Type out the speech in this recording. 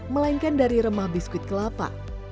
melainkan dari remah biskuit kelapa